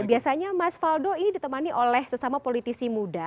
biasanya mas faldo ini ditemani oleh sesama politisi muda